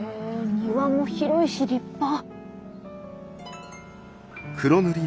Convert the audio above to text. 庭も広いし立派。